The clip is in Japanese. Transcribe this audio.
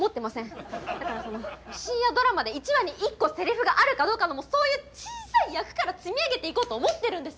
だからその深夜ドラマで１話に１個せりふがあるかどうかのもうそういう小さい役から積み上げていこうと思ってるんです！